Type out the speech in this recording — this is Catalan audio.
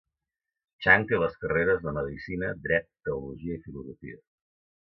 Chang té les carreres de medicina, dret, teologia i filosofia.